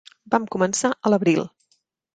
Vam començar a l'abril.